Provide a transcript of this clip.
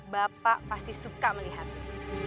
bapak pasti suka melihatnya